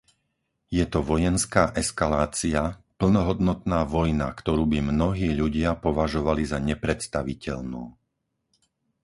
Je to vojenská eskalácia, plnohodnotná vojna, ktorú by mnohí ľudia považovali za nepredstaviteľnú.